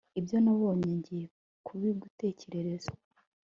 ibyo nabonye, ngiye kubigutekerereza